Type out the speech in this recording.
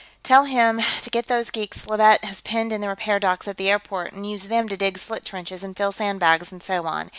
Tell him to get those geeks Leavitt has penned in the repair dock at the airport and use them to dig slit trenches and fill sandbags and so on.